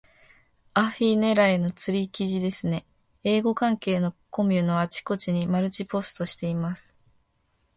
アフィ狙いの釣り記事ですね。英語関係のコミュのあちこちにマルチポストしています。